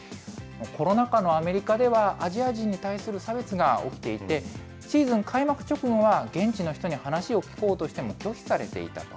コロナ禍のアメリカでは、アジア人に対する差別が起きていて、シーズン開幕直後は、現地の人に話を聞こうとしても拒否されていたと。